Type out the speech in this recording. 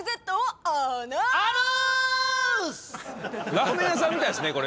ラーメン屋さんみたいですねこれ。